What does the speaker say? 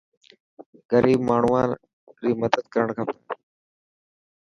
غريب ماڻهوان ري مدد ڪرڻ کپي.